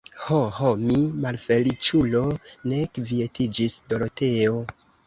Ho, ho, mi, malfeliĉulo, ne kvietiĝis Doroteo.